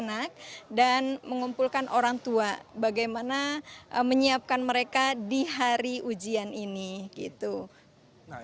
nah untuk persiapannya baik untuk persiapan kapasitasnya